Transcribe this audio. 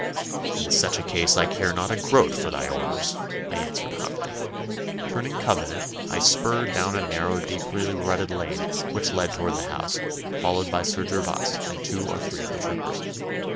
'In such a case I care not a groat for thy orders,' I answered hotly. Turning Covenant I spurred down a narrow, deeply rutted lane which led towards the house, followed by Sir Gervas and two or three of the troopers.